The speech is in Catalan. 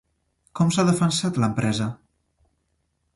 Com s'ha defensat l'empresa?